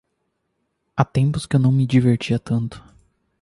Há tempos que eu não me divertia tanto.